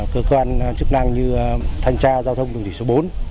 cơ quan chức năng như thanh tra giao thông đường thủy số bốn